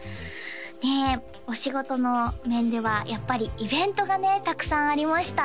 ねっお仕事の面ではやっぱりイベントがねたくさんありました